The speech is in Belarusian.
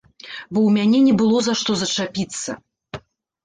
Бо ў мяне не было за што зачапіцца.